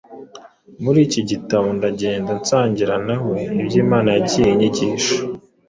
Muri iki gitabo ndagenda nsangira nawe ibyo Imana yagiye inyigisha